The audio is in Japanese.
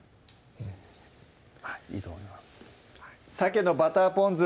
はいいいと思います「鮭のバターポン酢」